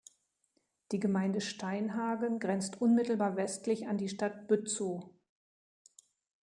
Die Gemeinde Steinhagen grenzt unmittelbar westlich an die Stadt Bützow.